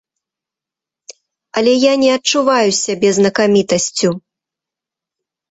Але я не адчуваю сябе знакамітасцю.